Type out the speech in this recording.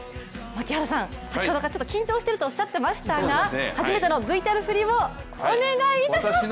槙原さん、先ほどから緊張しているとおっしゃっていましたが初めてのＶＴＲ振りをお願いいたします。